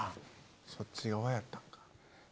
そっち側やったんか。